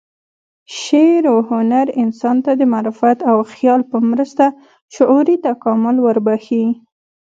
شعر و هنر انسان ته د معرفت او خیال په مرسته شعوري تکامل وربخښي.